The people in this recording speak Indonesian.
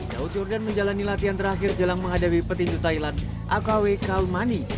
daud yordan menjalani latihan terakhir jelang menghadapi petinju thailand aekawekawemani